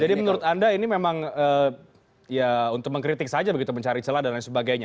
jadi menurut anda ini memang ya untuk mengkritik saja begitu mencari celah dan lain sebagainya